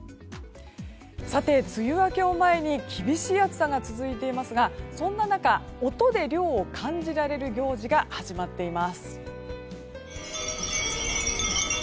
さて、梅雨明けを前に厳しい暑さが続いていますがそんな中、音で涼を感じられる行事が始まっています。